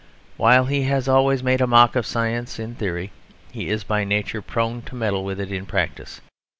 While he has always made a mock of science in theory, he is by nature prone to meddle with it in practice.